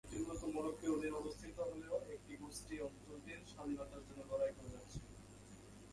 এটি মূলত মরক্কোর অধীনে অবস্থিত হলেও একটি গোষ্ঠী অঞ্চলটির স্বাধীনতার জন্য লড়াই করে যাচ্ছে।